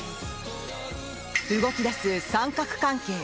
動き出す三角関係。